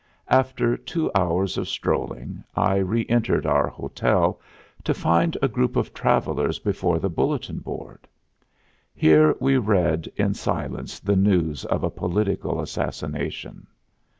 After two hours of strolling I reëntered our hotel to find a group of travelers before the bulletin board. Here we read in silence the news of a political assassination.